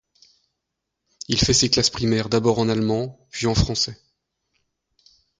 Il fait ses classes primaires d'abord en allemand, puis en français.